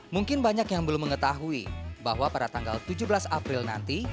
mungkin banyak yang belum mengetahui bahwa pada tanggal tujuh belas april nanti